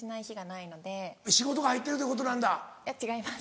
いや違います。